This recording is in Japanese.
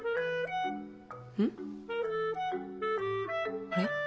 うん？あれ？